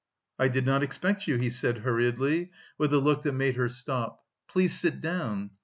"I did not expect you," he said, hurriedly, with a look that made her stop. "Please sit down.